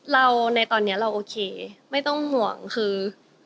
เราในตอนนี้เราโอเคไม่ต้องห่วงคือ